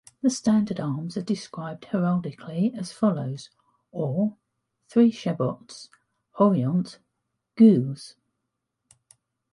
The standard arms are described heraldically as follows: Or, three chabots, haurient, gules.